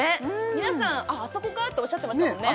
皆さん「あああそこか」とおっしゃってましたもんね